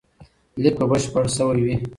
لیک به بشپړ سوی وي.